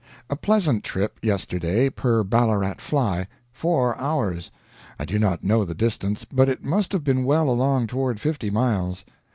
A pleasant trip, yesterday, per Ballarat Fly. Four hours. I do not know the distance, but it must have been well along toward fifty miles.